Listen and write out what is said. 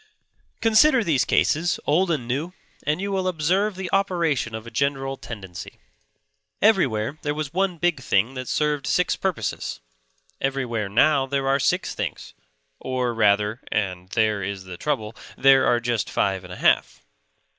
Consider these cases, old and new, and you will observe the operation of a general tendency. Everywhere there was one big thing that served six purposes; everywhere now there are six small things; or, rather (and there is the trouble), there are just five and a half.